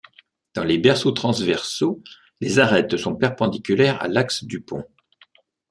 Dans les berceaux transversaux, les arêtes sont perpendiculaires à l’axe du pont.